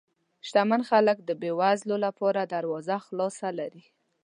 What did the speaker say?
شتمن خلک د بې وزلو لپاره دروازه خلاصه لري.